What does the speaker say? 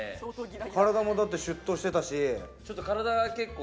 体も結構シュッとしてたし。